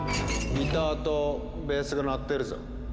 ギターとベースが鳴ってるぞ。